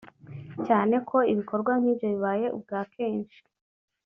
cyane ko ibikorwa nk’ ibyo bibaye ubwa kenshi